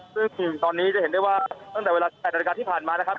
ซึ่งตอนนี้จะเห็นได้ว่าตั้งแต่เวลา๘นาฬิกาที่ผ่านมานะครับ